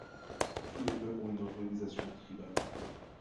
Tous les peuples ont une organisation tribale.